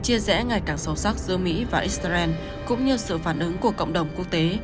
chia rẽ ngày càng sâu sắc giữa mỹ và israel cũng như sự phản ứng của cộng đồng quốc tế